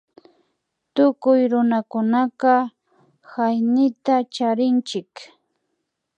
Tukuy runakunaka hayñita charinchik